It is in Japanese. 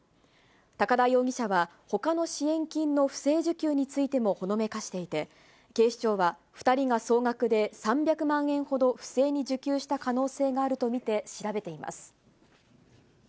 高田容疑者は、ほかの支援金の不正受給についてもほのめかしていて、警視庁は２人が総額で３００万円ほど不正に受給した可能性があると見て調べています。